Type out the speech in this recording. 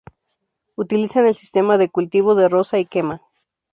Utilizan el sistema de cultivo de roza y quema.